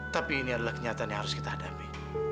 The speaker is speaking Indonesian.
tapi ini adalah kenyataan yang harus kita hadapi